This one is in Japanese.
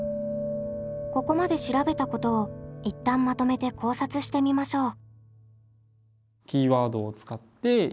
ここまで調べたことを一旦まとめて考察してみましょう。